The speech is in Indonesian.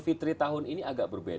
kita melakukannya sekarang